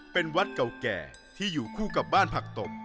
เป็นวัดเก่าแก่ที่อยู่คู่กับบ้านผักตบ